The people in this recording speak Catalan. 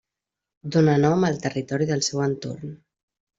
Dóna nom al territori del seu entorn.